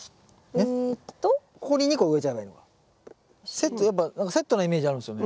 セットやっぱなんかセットなイメージあるんですよね